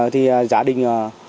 thì gia đình